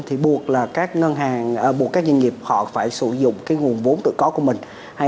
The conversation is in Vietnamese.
thì buộc là các ngân hàng buộc các doanh nghiệp họ phải sử dụng cái nguồn vốn tự có của mình